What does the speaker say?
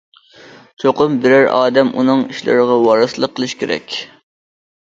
چوقۇم بىرەر ئادەم ئۇنىڭ ئىشلىرىغا ۋارىسلىق قىلىشى كېرەك.